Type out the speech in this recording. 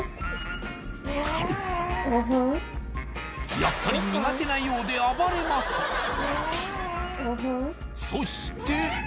やっぱり苦手なようで暴れますそして！